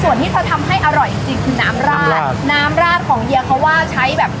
ส่วนที่เขาทำให้อร่อยจริงจริงคือน้ำราดน้ำราดของเฮียเขาว่าใช้แบบ